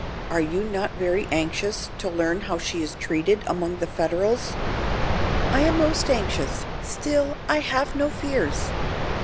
Are you not very anxious to learn how she is treated among the Federals?" "I am most anxious; still I have no fears."